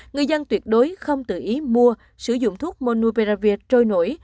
người dân tuyệt đối không tự ý mua sử dụng thuốc monuperaviet trôi nổi